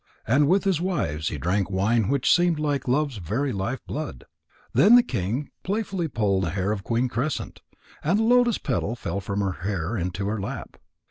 And with his wives he drank wine which seemed like Love's very life blood. Then the king playfully pulled the hair of Queen Crescent, and a lotus petal fell from her hair into her lap.